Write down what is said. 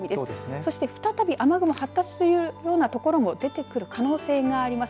そして再び雨雲が発達するような所も出てくる可能性があります。